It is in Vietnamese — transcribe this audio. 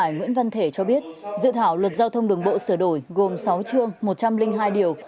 nguyễn văn thể cho biết dự thảo luật giao thông đường bộ sửa đổi gồm sáu chương một trăm linh hai điều